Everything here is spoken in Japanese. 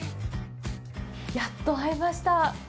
やっと会えました。